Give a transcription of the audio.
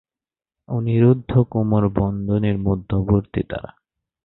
অনিরুদ্ধ কোমর বন্ধনীর মধ্যবর্তী তারা।